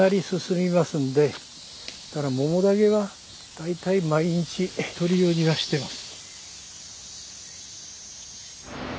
だからモモだけは大体毎日とるようにはしてます。